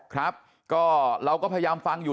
ครับก็เราก็พยายามฟังอยู่